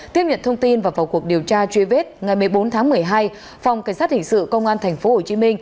tiếp nhận thông tin và vào cuộc điều tra truy vết ngày một mươi bốn tháng một mươi hai phòng cảnh sát hình sự công an tp hcm